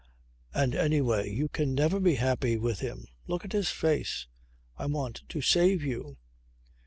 And anyway you can never be happy with him. Look at his face. I want to save you.